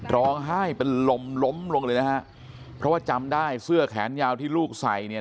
ร้องไห้เป็นลมล้มลงเลยนะฮะเพราะว่าจำได้เสื้อแขนยาวที่ลูกใส่เนี่ย